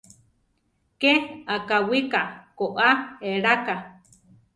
Ké akáwika koá eláka.